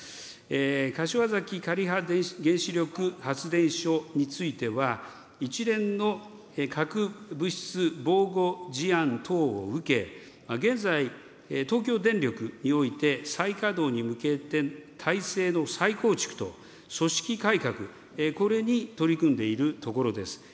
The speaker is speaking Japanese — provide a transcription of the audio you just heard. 柏崎刈羽原子力発電所については、一連の核物質について現在、東京電力において再稼働に向けて、体制の再構築と組織改革、これに取り組んでいるところです。